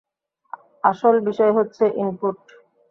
আসল বিষয় হচ্ছে ইনপুট।